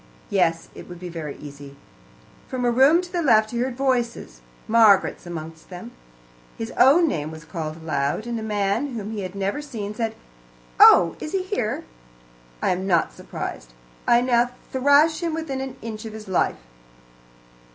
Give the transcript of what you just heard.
Yes, it would be very easy. From a room to the left he heard voices, Margaret's amongst them. His own name was called aloud, and a man whom he had never seen said, "Oh, is he there? I am not surprised. I now thrash him within an inch of his life."